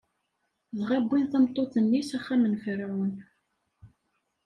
Dɣa wwin tameṭṭut-nni s axxam n Ferɛun.